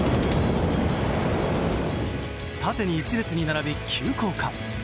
縦に１列に並び、急降下。